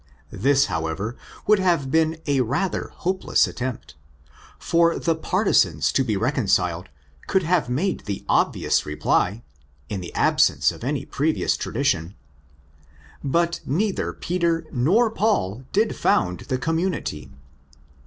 This, however, would have been a rather hopeless attempt; for the partisans to be reconciled could have made the obvious. reply (in the absence of any previous tradition), '' But. neither Peter nor Paul did found the community."